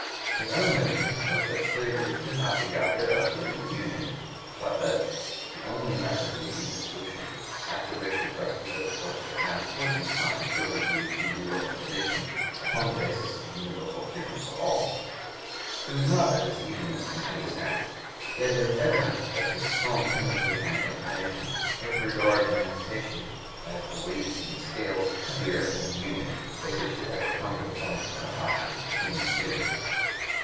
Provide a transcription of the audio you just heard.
His own notion was that slavery could not be got rid of within the Union, but that the only method would be dissolution, after which he trusted that the course of events would in time surely lead to reorganization upon the basis of universal freedom for all. He (p. 122) was not a disunionist in any sense, yet it is evident that his strong tendency and inclination were to regard emancipation as a weight in the scales heavier than union, if it should ever come to the point of an option between the two.